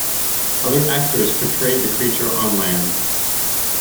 Other actors portrayed the creature on land.